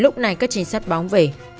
lúc này các chính sách báo về